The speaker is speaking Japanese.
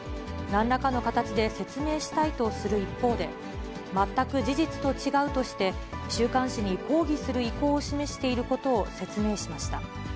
なんらかの形で説明したいとする一方で、全く事実と違うとして、週刊誌に抗議する意向を示していることを説明しました。